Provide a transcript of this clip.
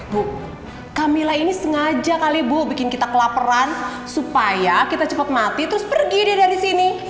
bu camilla ini sengaja kali bu bikin kita kelaparan supaya kita cepat mati terus pergi deh dari sini